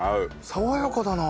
爽やかだな。